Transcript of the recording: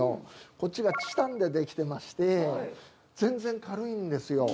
こっちがチタンで出来てまして、全然軽いんですよ。